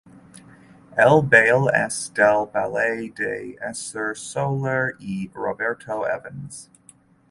El baile es del ballet de Esther Soler y Roberto Evans.